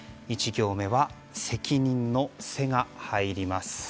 １行目は責任の「セ」が入ります。